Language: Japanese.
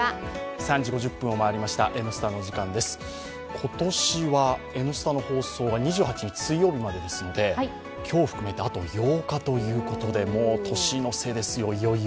今年「Ｎスタ」の放送が２８日水曜日までなので今日を含めてあと８日ということで年の瀬ですよ、いよいよ。